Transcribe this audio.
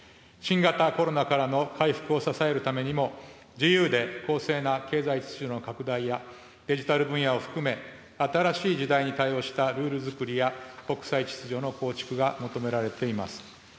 新型コロナからの回復を支えるためにも、自由で公正な経済秩序の拡大や、デジタル分野を含め、新しい時代に対応したルールづくりや、国際秩序の構築が求められています。